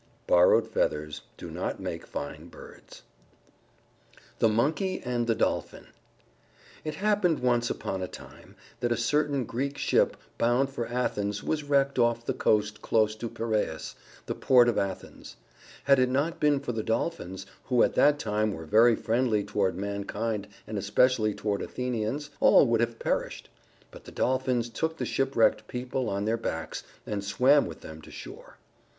Borrowed feathers do not make fine birds. THE MONKEY AND THE DOLPHIN It happened once upon a time that a certain Greek ship bound for Athens was wrecked off the coast close to Piraeus, the port of Athens. Had it not been for the Dolphins, who at that time were very friendly toward mankind and especially toward Athenians, all would have perished. But the Dolphins took the shipwrecked people on their backs and swam with them to shore.